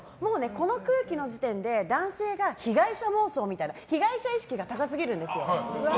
この空気の時点で男性が被害者妄想みたいな被害者意識が高すぎるんですよ。